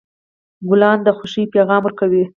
ګلان د خوښۍ پیغام ورکوي.